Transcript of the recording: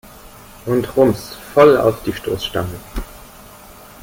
Und rums, voll auf die Stoßstange!